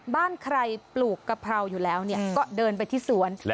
บ้านใครปลูกกะเพราอยู่แล้วก็เดินไปที่สวน